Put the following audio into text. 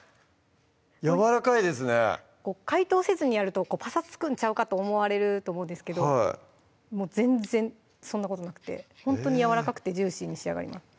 やわらかいですね解凍せずにやるとぱさつくんちゃうかと思われると思うんですけどもう全然そんなことなくてほんとにやわらかくてジューシーに仕上がります